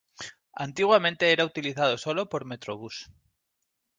Antiguamente era utilizado solo por Metrobus.